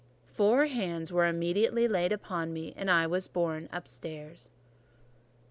Four hands were immediately laid upon me, and I was borne upstairs.